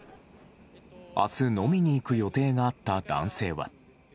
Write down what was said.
明日、飲みに行く予定があった男性は。